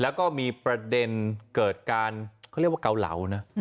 แล้วก็มีประเด็นเกิดการเขาเรียกว่าเกาเหลานะ